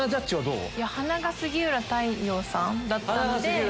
鼻が杉浦太陽さんだったんで。